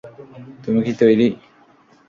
তুমি কী তৈরী?